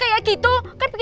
udah anak anak kiki lagi